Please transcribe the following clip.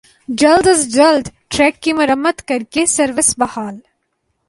جلد از جلد ٹریک کی مرمت کر کے سروس بحال